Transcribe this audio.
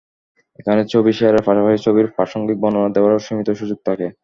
এখানে ছবি শেয়ারের পাশাপাশি ছবির প্রাসঙ্গিক বর্ণনার দেওয়ারও সীমিত সুযোগ থাকে।